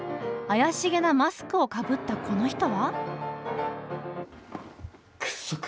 怪しげなマスクをかぶったこの人は？